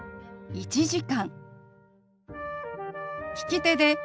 「１時間」。